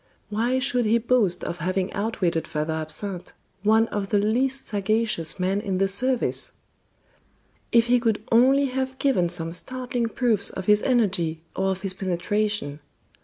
Why should he boast of having outwitted Father Absinthe, one of the least sagacious men in the service? If he could only have given some startling proofs of his energy or of his penetration!